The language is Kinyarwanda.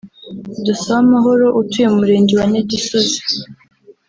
Dusabamahoro utuye mu Murenge wa Nyagisozi